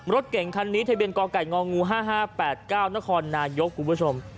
รถเก่งคันนี้ทะเบียนกไก่ง๕๕๘๙นครนายกคุณผู้ชม